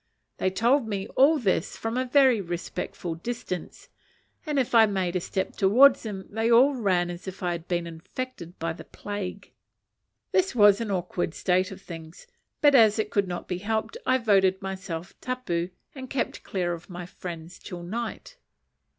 They told me all this from a very respectful distance, and if I made a step towards them, they all ran as if I had been infected by the plague. This was an awkward state of things, but as it could not be helped, I voted myself tapu, and kept clear of my friends till night.